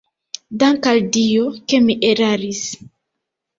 Dank' al Dio, ke mi eraris!